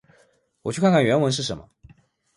我去看看原文是什么。